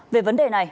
về vấn đề này